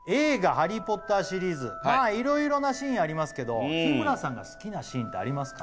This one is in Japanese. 「ハリー・ポッター」シリーズまあ色々なシーンありますけど日村さんが好きなシーンってありますか？